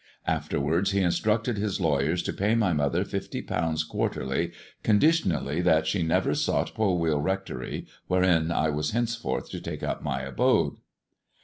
Afterwards he instructed his lawyers to pay my mother fifty pounds quarterly, conditionally that she never sought Polwheal Kectory, wherein I was henceforth to take up my abode.